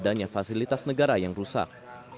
adanya fasilitas negara yang rusak